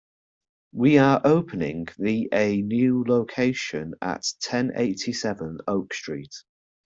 We are opening the a new location at ten eighty-seven Oak Street.